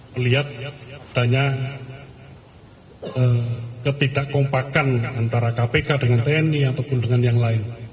melihat adanya ketidakkompakan antara kpk dengan tni ataupun dengan yang lain